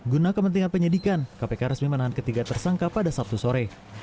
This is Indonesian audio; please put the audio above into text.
guna kepentingan penyidikan kpk resmi menahan ketiga tersangka pada sabtu sore